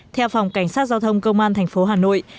theo phòng cảnh sát giao thông công an tp hà nội